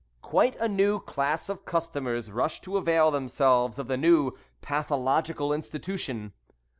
Quite a new class of customers rushed to avail themselves of the new pathological institution.